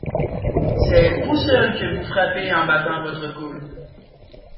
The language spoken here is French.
C'est vous seuls que vous frappez en battant votre coulpe.